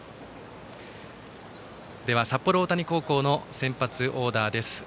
札幌大谷高校の先発オーダーです。